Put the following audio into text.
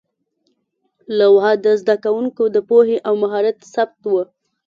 لوحه د زده کوونکو د پوهې او مهارت ثبت وه.